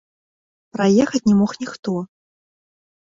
Праехаць не мог ніхто.